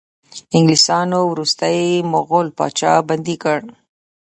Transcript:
انګلیسانو وروستی مغول پاچا بندي کړ.